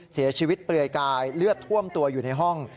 เสียชีวิตเปลือยกายเลือดท่วมตัวอยู่ในห้อง